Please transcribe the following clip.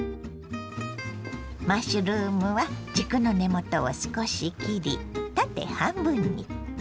マッシュルームは軸の根元を少し切り縦半分に。